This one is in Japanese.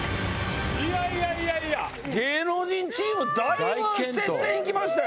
いやいやいやいや芸能人チームだいぶ接戦いきましたよ